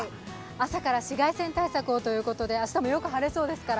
朝から紫外線対策をということで明日もよく晴れそうですから。